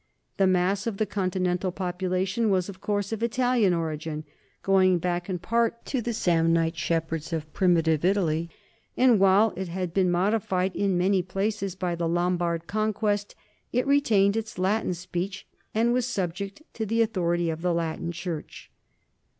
The mass of the continental population was, of course, of Italian origin, going back in part to the Samnite shepherds of primitive Italy, and while it had been modified in many places by the Lombard conquest, it retained its Latin speech and was subject to the au thority of the Latin church.